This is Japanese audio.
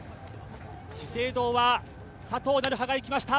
資生堂は佐藤成葉がいきました。